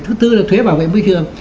thứ tư là thuế bảo vệ môi trường